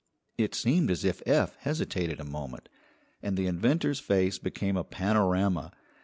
It seemed as if Eph hesitated a moment, and the inventor's face became a panorama.